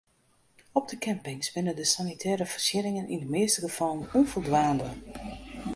Op de campings binne de sanitêre foarsjenningen yn de measte gefallen ûnfoldwaande.